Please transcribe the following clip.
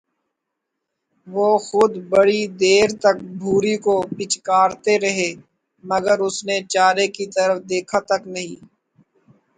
وہ خود بڑی دیر تک بھوری کو پچکارتے رہے، مگر اس نے چارے کی طرف دیکھا تک نہیں۔